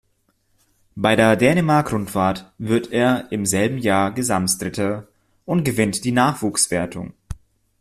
Bei der Dänemark-Rundfahrt wird er im selben Jahr Gesamtdritter und gewinnt die Nachwuchswertung.